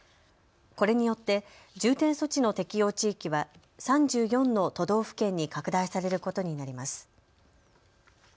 これによって重点措置の適用地域は３４の都道府県に拡大されることになります。